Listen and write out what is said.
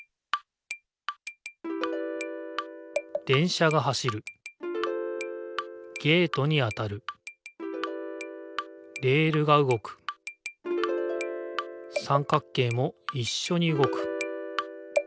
電車が走るゲートに当たるレールがうごく三角形もいっしょにうごく。